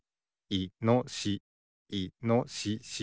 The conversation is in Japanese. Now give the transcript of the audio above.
いのしし。